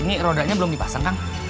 ini rodanya belum dipasang kang